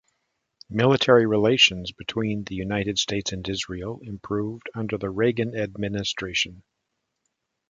Military relations between the United States and Israel improved under the Reagan Administration.